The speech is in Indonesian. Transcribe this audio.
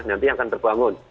nanti yang akan terbangun